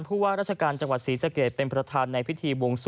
ผู้ว่ารัชกาลจังหวัดศิษฐเกต